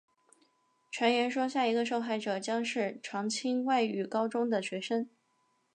传言说下一个受害者将是常青外语高中的学生。